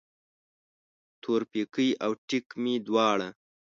تورپیکی او ټیک مې دواړه